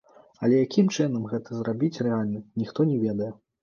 Але якім чынам гэта зрабіць рэальна, ніхто не ведае.